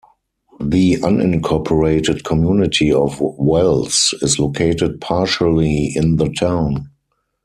The unincorporated community of Wells is located partially in the town.